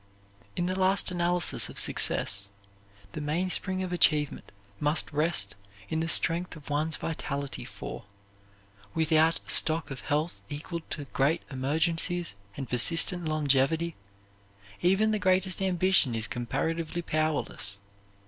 In the last analysis of success, the mainspring of achievement must rest in the strength of one's vitality, for, without a stock of health equal to great emergencies and persistent longevity, even the greatest ambition is comparatively powerless.